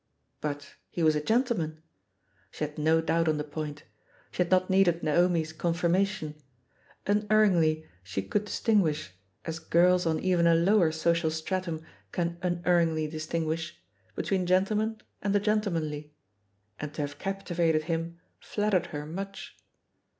But he was a gentleman ! She had no doubt on the point — THE POSITION OF PEGGY HARPER 71 she had not needed Naomi's confirmation; un erringly she could distinguish, as girls on even a lower social stratum can unerringly distinguish, between gentlemen and the gentlemanly, and to have captivated him flattered her much.